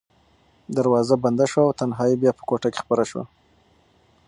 دروازه بنده شوه او تنهایي بیا په کوټه کې خپره شوه.